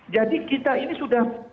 jadi kita ini sudah